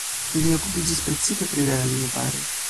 Li okupiĝis precipe pri urala lingvaro.